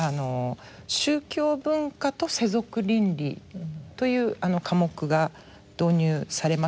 宗教文化と世俗倫理という科目が導入されました。